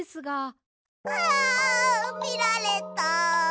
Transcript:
あみられた！